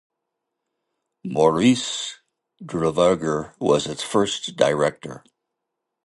Maurice Duverger was its first director.